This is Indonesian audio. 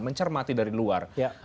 mencermati dari luar